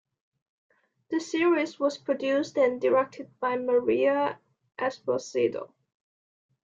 The series was produced and directed by Maria Esposito.